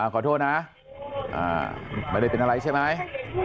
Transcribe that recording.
ขอโทษนะไม่ได้เป็นอะไรใช่ไหม